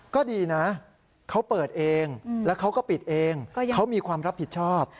ก็ดีนะเขาเปิดเองแล้วเขาก็ปิดเองเขามีความรับผิดชอบ